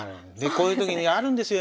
こういうときにあるんですよ